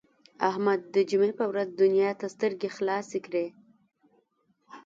احمد د جمعې په ورځ دنیا ته سترګې خلاصې کړې.